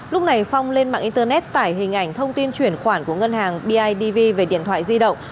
lúc này phong lên mạng internet tải hình ảnh thông tin chuyển khoản của ngân hàng bidv về điện thoại di động